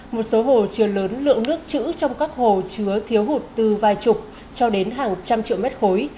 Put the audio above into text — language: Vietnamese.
một số hồ chứa lớn lượng nước chữ trong các hồ chứa thiếu hụt từ vài chục cho đến hàng trăm triệu mét khối